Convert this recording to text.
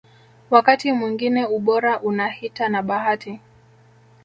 Wakati mwingine ubora unahita na bahati